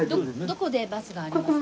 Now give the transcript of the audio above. どこでバスがありますか？